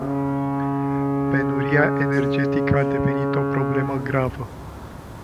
Penuria energetică a devenit o problemă gravă.